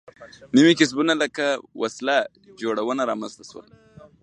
نوي کسبونه لکه وسله جوړونه رامنځته شول.